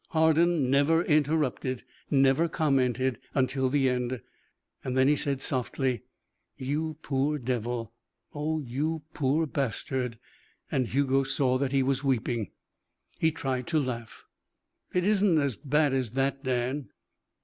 Hardin never interrupted, never commented, until the end. Then he said softly: "You poor devil. Oh, you poor bastard." And Hugo saw that he was weeping. He tried to laugh. "It isn't as bad as that Dan."